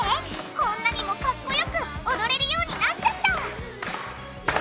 こんなにもかっこよく踊れるようになっちゃった！